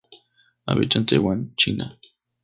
Habita en Taiwan, China.